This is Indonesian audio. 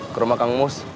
ke rumah kang mus